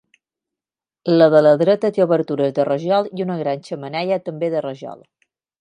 La de la dreta té obertures de rajol i una gran xemeneia també de rajol.